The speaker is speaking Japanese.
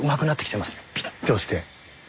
ピッて押して。